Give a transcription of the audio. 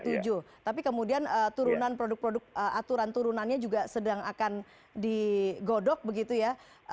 masih tahun ke tujuh tapi kemudian turunan produk produk aturan turunannya juga sedang akan digodok begitu ya